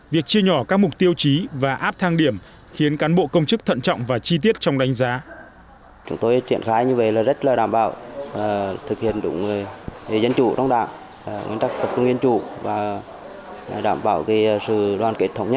việc chia nhỏ các mục tiêu chí và áp dụng các mục tiêu chí các mục tiêu chí các mục tiêu chí các mục tiêu chí các mục tiêu chí các mục tiêu chí